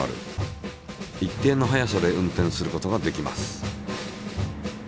一定の速さで運転することができます。